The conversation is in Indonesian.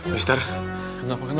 mister kenapa kenal